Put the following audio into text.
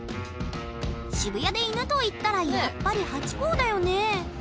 渋谷で犬といったらやっぱりハチ公だよね。